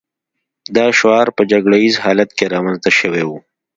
دا شعار په جګړه ییز حالت کې رامنځته شوی و